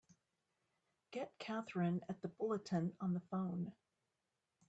Get Katherine at the Bulletin on the phone!